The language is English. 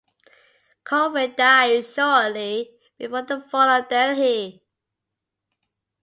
Colvin died shortly before the fall of Delhi.